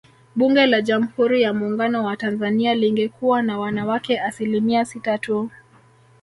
Bunge la Jamhuri ya Muungano wa Tanzania lingekuwa na wanawake asilimia sita tu